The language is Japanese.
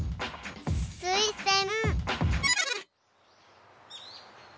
すいせん。